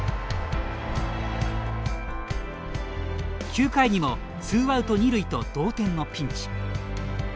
９回にもツーアウト二塁と同点のピンチ。